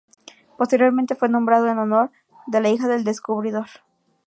Posteriormente fue nombrado en honor de la hija del descubridor.